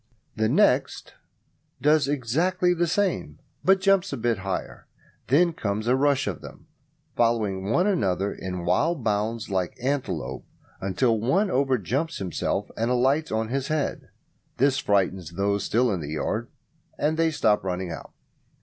The next does exactly the same, but jumps a bit higher. Then comes a rush of them following one another in wild bounds like antelopes, until one overjumps himself and alights on his head. This frightens those still in the yard, and they stop running out.